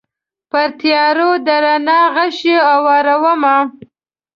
پرتیارو د رڼا غشي اورومه